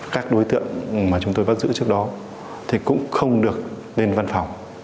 các đối tượng mà chúng tôi bắt giữ trước đó thì cũng không được lên văn phòng